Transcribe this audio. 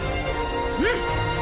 うん！